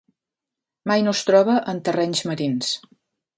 Mai no es troba en terrenys marins.